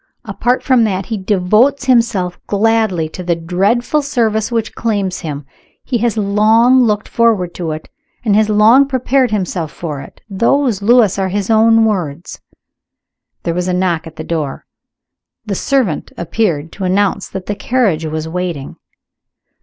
Apart from that, he devotes himself gladly to the dreadful service which claims him. He has long looked forward to it, and has long prepared himself for it. Those, Lewis, are his own words." There was a knock at the door. The servant appeared, to announce that the carriage was waiting.